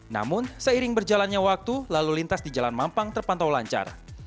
namun seiring berjalannya waktu lalu lintas di jalan mampang terpantau lancar